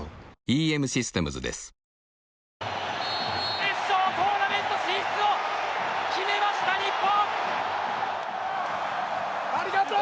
決勝トーナメント進出を決めました、日本！